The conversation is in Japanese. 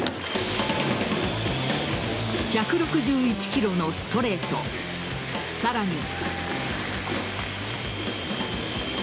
１６１キロのストレートさらに。